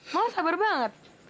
malah sabar banget